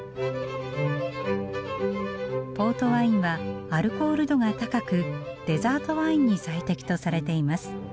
ポートワインはアルコール度が高くデザートワインに最適とされています。